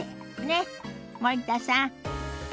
ねっ森田さん。